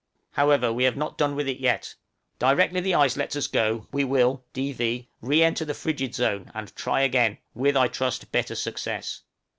However, we have not done with it yet; directly the ice lets us go, we will (D. V.) re enter the frigid zone, and "try again," with, I trust, better success.